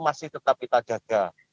masih tetap kita jaga